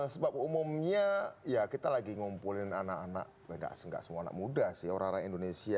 sebab umumnya ya kita lagi ngumpulin anak anak nggak semua anak muda sih orang orang indonesia